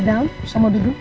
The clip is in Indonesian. kamu mau duduk